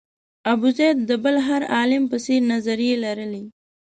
ابوزید د بل هر عالم په څېر نظریې لرلې.